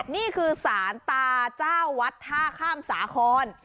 นี่คือสารตาเจ้าวัดท่าข้ามสาคร